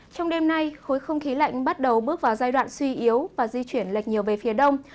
trong đêm nay khối không khí lạnh bắt đầu bước vào giai đoạn suy yếu và di chuyển lệch nhiều về phía đông